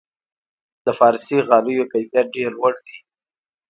د فارسي غالیو کیفیت ډیر لوړ دی.